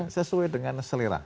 sesuai dengan selera